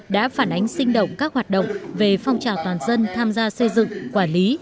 đã phản ánh sinh động các hoạt động về phong trào toàn dân tham gia xây dựng quản lý